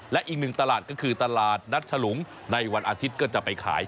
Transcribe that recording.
และอีกหนึ่งตลาดก็คือตลาดนัดฉลุงในวันอาทิตย์ก็จะไปขาย